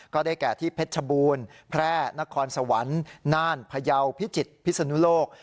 ก็ได้แก่ที่เพชรชบูรณ์แพร่นครสวรรค์น่านพยาวพิจิตรพิศนุโลก